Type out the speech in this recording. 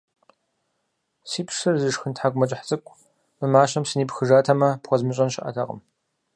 - Си псэр зышхын тхьэкӏумэкӏыхь цӏыкӏу, мы мащэм сынипхыжатэмэ, пхуэзмыщӏэн щыӏэтэкъым.